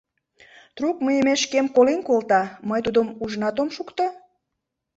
Трук мийымешкем колен колта, мый тудым ужынат ом шукто?»